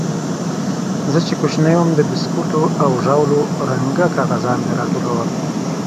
زه چې کوچنى وم د بيسکوټو او ژاولو رنګه کاغذان مې راټولول.